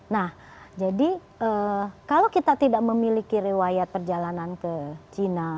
nah jadi kalau kita tidak memiliki riwayat perjalanan ke china